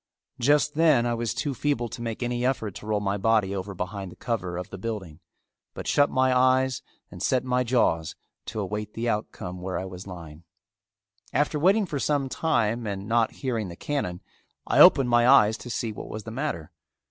Just then I was too feeble to make any effort to roll my body over behind the cover of the building, but shut my eyes and set my jaws to await the outcome where I was lying. After waiting for some time and not hearing the cannon, I opened my eyes to see what was the matter.